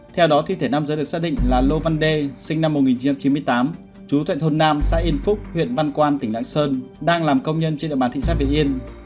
theo đó thi thể nam giới được xác định là lô văn đê sinh năm một nghìn chín trăm chín mươi tám chú thuận thôn nam xã yên phúc huyện văn quan tỉnh lạng sơn đang làm công nhân trên địa bàn thị xã việt yên